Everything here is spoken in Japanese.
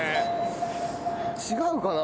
違うかな？